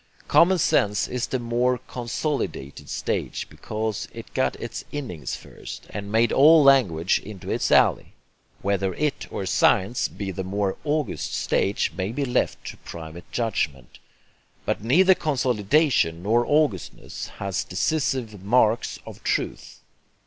Common sense is the more CONSOLIDATED stage, because it got its innings first, and made all language into its ally. Whether it or science be the more AUGUST stage may be left to private judgment. But neither consolidation nor augustness are decisive marks of truth.